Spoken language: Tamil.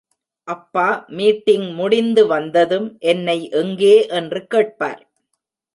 அப்பா மீட்டிங் முடிந்து வந்ததும், என்னை எங்கே என்று கேட்பார்.